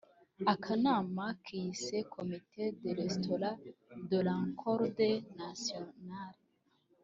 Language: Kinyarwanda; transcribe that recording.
Akanama kiyise Comite de restauration de la concorde nationale